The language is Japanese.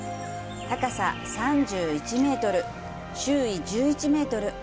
高さ３１メートル、周囲１１メートル。